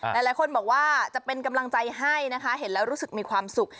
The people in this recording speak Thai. หลายคนบอกว่าจะเป็นกำลังใจให้นะคะเห็นแล้วรู้สึกมีความสุข